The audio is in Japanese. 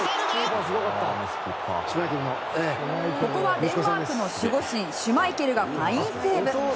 ここはデンマークの守護神シュマイケルがファインセーブ。